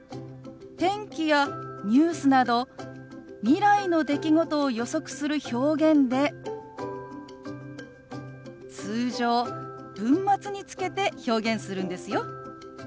天気やニュースなど未来の出来事を予測する表現で通常文末につけて表現するんですよ。